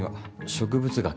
植物学？